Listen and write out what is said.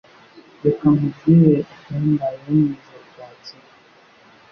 Reka nkubwire ibyambayeho mwijoro ryakeye.